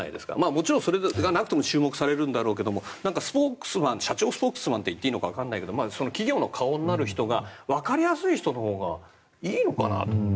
もちろんそれがなくても注目されるんだろうけど社長スポークスマンといっていいのかわからないけどその企業の顔になる人はわかりやすい人がいいのかなと。